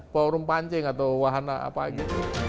forum pancing atau wahana apa aja